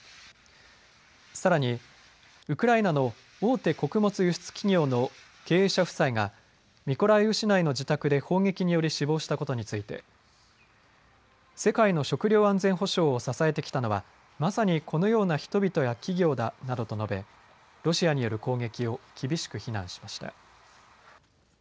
さらにウクライナの大手穀物輸出企業の経営者夫妻がミコライウ市内の自宅で砲撃により死亡したことについて世界の食料安全保障を支えてきたのはまさにこのような人々や企業だなどと述べロシアによる攻撃を厳しく非難しました。